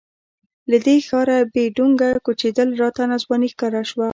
له دې ښاره بې ډونګه کوچېدل راته ناځواني ښکاره شوه.